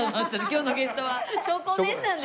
今日のゲストはしょうこおねえさんです。